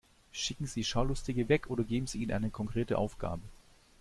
Schicken Sie Schaulustige weg oder geben Sie ihnen eine konkrete Aufgabe.